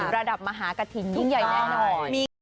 ระดับมหากฐินยิ่งใหญ่แน่นอน